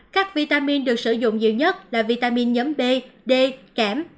các vitamin được sử dụng nhiều nhất là vitamin nhóm b d kém